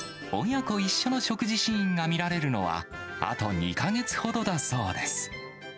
親子一緒の食事シーンが見られるのは、あと２か月ほどだそうです。